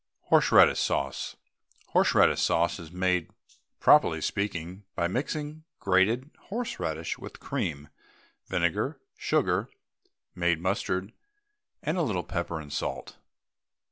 HORSE RADISH SAUCE. Horse radish sauce is made, properly speaking, by mixing grated horse radish with cream, vinegar, sugar, made mustard, and a little pepper and salt.